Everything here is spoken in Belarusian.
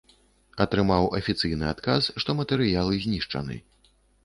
Атрымаў афіцыйны адказ, што матэрыялы знішчаны.